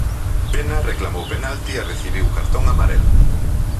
Pena reclamou penalti e recibiu cartón amarelo.